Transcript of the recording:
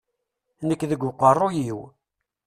Nekk deg uqerruy-iw.